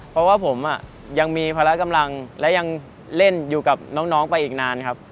เพราะว่าผมยังมีภาระกำลังและยังเล่นอยู่กับน้องไปอีกนานครับ